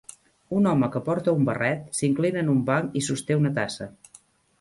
Un home que porta un barret s'inclina en un banc i sosté una tassa.